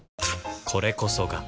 これこそが